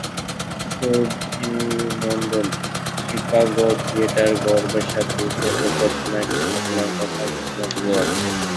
সুধীমণ্ডলী, Chicago theatre গর্বের সাথে ইতিহাসের প্রথম এক ঘটনার কথা ঘোষণা দিতে যাচ্ছে!